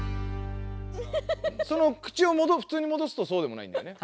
その口をふつうにもどすとそうでもないんだよね。